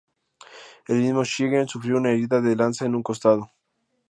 El mismo Shingen sufrió una herida de lanza en un costado.